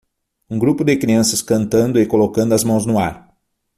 Um grupo de crianças cantando e colocando as mãos no ar